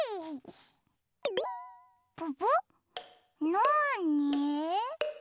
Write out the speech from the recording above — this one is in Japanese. なに？